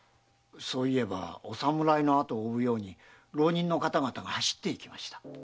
そういえばお侍の後を追うように浪人の方々が走っていきました。